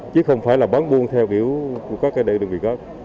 chứ không phải là bán buôn theo kiểu của các đơn vị khác